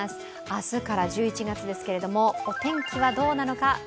明日から１１月ですけれどもお天気はどうなのか。